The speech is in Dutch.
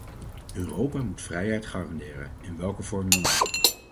Europa moet vrijheid garanderen, in welke vorm dan ook.